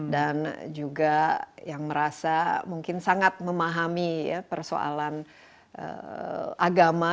dan juga yang merasa mungkin sangat memahami ya persoalan agama